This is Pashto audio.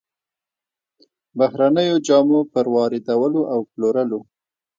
بهرنيو جامو پر واردولو او پلورلو